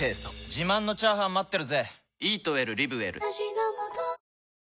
自慢のチャーハン待ってるぜ！